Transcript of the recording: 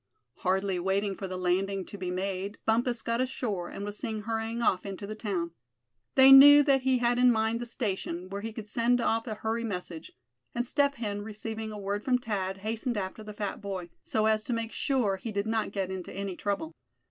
Hardly waiting for the landing to be made, Bumpus got ashore, and was seen hurrying off into the town. They knew that he had in mind the station, where he could send off a hurry message; and Step Hen, receiving a word from Thad, hastened after the fat boy, so as to make sure he did not get into any trouble.